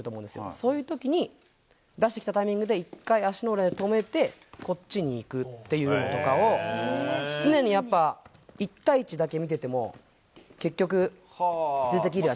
そういうときに、出してきたタイミングで、一回足の裏で止めて、こっちに行くっていうのとかを、常にやっぱ１対１だけ見てても、結局、数的有利が。